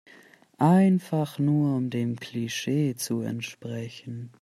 Einfach nur um dem Klischee zu entsprechen.